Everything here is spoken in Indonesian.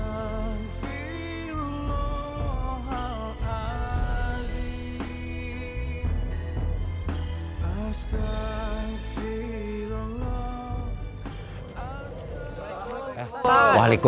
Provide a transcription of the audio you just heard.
ini udah gak bisa dibayarin lagi pak